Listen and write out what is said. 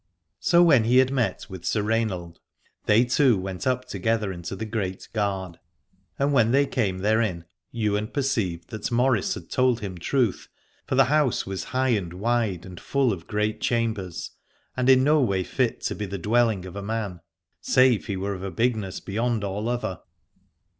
So when he had met with Sir Rainald, they two went up together into the Great Gard : and when they came therein Ywain perceived that Maurice had told him truth, for the house was high and wide and full of great chambers, and in no way fit to be the dwelHng of a man, save he were of a bigness beyond all other.